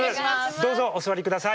どうぞお座りください。